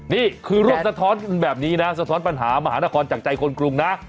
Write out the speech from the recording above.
นี่คือร่วมสะท้อนแบบนี้นะสะท้อนปัญหามหานครจากใจคนกรุงนะ